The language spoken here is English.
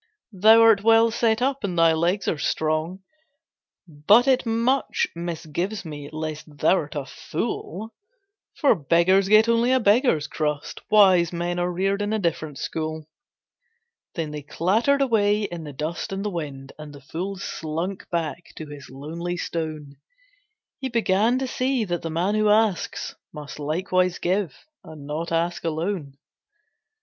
"Thou art well set up, and thy legs are strong, But it much misgives me lest thou'rt a fool; For beggars get only a beggar's crust, Wise men are reared in a different school." Then they clattered away in the dust and the wind, And the fool slunk back to his lonely stone; He began to see that the man who asks Must likewise give and not ask alone.